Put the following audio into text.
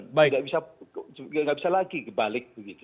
nggak bisa lagi ke balik begitu